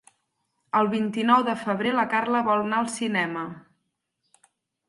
El vint-i-nou de febrer na Carla vol anar al cinema.